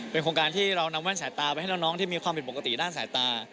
เป็นโครงการที่เรานำแว่นสายตาไปให้น้องที่มีความผิดปกติด้านสายตา